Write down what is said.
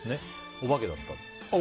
お化けだった。